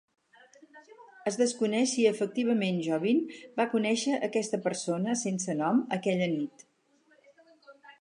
Es desconeix si efectivament Jovin va conèixer aquesta persona sense nom aquella nit.